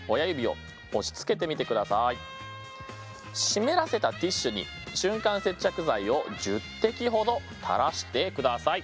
湿らせたティッシュに瞬間接着剤を１０滴ほどたらしてください。